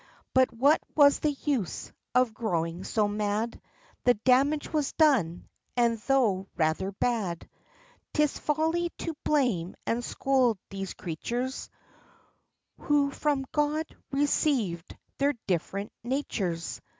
But what was the use of growing so mad? The damage was done, and, though rather bad, 'Tis folly to blame and scold these creatures, Who from God received their different natures.